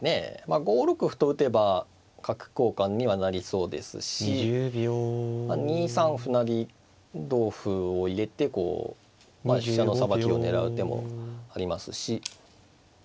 ５六歩と打てば角交換にはなりそうですし２三歩成同歩を入れてこう飛車のさばきを狙う手もありますし。